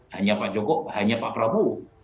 hanya pak joko hanya pak prabowo